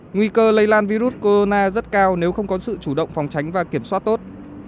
nguy cơ lây lan virus corona rất cao nếu không có sự chủ động phòng tránh và kiểm soát tốt